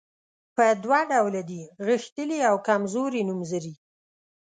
په دوه ډوله دي غښتلي او کمزوري نومځري.